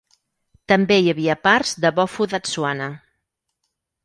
També hi havia parts de Bophuthatswana.